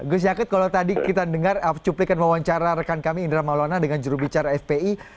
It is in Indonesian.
gus yakit kalau tadi kita dengar cuplikan wawancara rekan kami indra maulana dengan jurubicara fpi